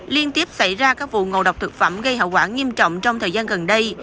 liên tiếp xảy ra các vụ ngộ độc thực phẩm gây hậu quả nghiêm trọng trong thời gian gần đây